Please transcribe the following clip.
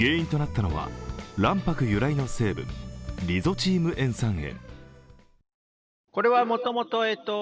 原因となったのは卵白由来の成分、リゾチーム塩酸塩。